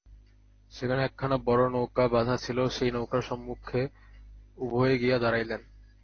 সেখানে একখানা বড়ো নৌকা বাঁধা ছিল, সেই নৌকার সম্মুখে উভয়ে গিয়া দাঁড়াইলেন।